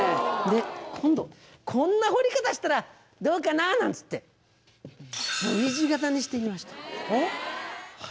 で今度こんな掘り方したらどうかなあなんつってＶ字型にしてみました。